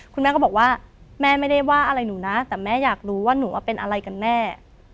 คุณแม่ก็บอกว่าแม่ไม่ได้ว่าอะไรหนูนะแต่แม่อยากรู้ว่าหนูว่าเป็นอะไรกันแน่